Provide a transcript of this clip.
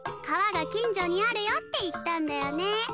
「川が近所にあるよ」って言ったんだよね。